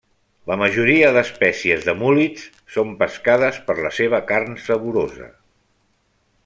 La majoria d'espècies de múl·lids són pescades per la seva carn saborosa.